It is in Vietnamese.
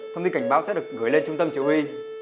thông tin cảnh báo sẽ được gửi lên trung tâm chỉ huy